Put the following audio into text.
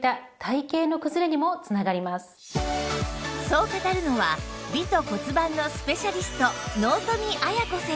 そう語るのは美と骨盤のスペシャリスト納富亜矢子先生